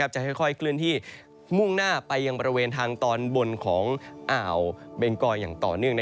จะค่อยเคลื่อนที่มุ่งหน้าไปยังบริเวณทางตอนบนของอ่าวเบงกอยอย่างต่อเนื่อง